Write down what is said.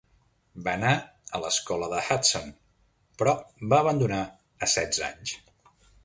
Va anar a l'Escola de Hudson, però va abandonar a setze anys.